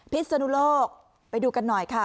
ศนุโลกไปดูกันหน่อยค่ะ